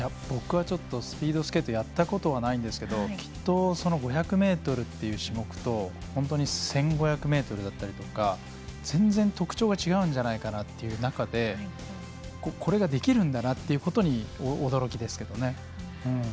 僕はちょっとスピードスケートやったことはないんですけどきっと、５００ｍっていう種目と１５００ｍだったりとか全然特徴が違うんじゃないかなという中でこれができるんだなということに驚きですけどね。